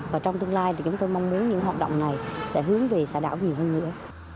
và trong tương lai thì chúng tôi mong muốn những hoạt động này sẽ hướng về xã đảo nhiều hơn nữa